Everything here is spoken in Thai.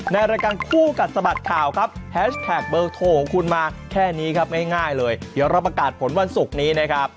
ในรายการคู่กัดสะบัดข่าวครับแฮชแท็กเบอร์โทรของคุณมาแค่นี้ครับง่ายเลยเดี๋ยวเราประกาศผลวันศุกร์นี้นะครับ